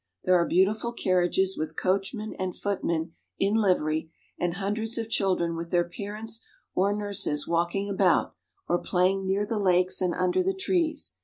There are beautiful carriages with coachmen and footmen in livery, and hun dreds of children with their parents or nurses walking about or playing near the lakes and under the trees.